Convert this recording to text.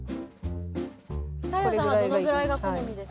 太陽さんはどのぐらいが好みですか？